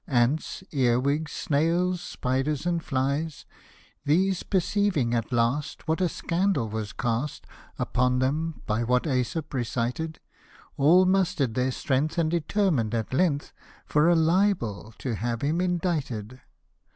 Ants, earwigs, snails, spiders, and flies, These perceiving, at test, what a scandal was cast Upon them, by what JEsop recited, All muster'd their strength, and determined, at length, For a libel to have him indicted.